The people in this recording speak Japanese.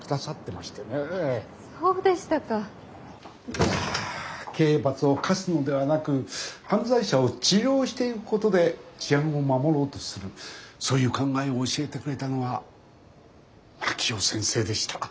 いや刑罰を科すのではなく犯罪者を治療していくことで治安を守ろうとするそういう考えを教えてくれたのは真樹夫先生でした。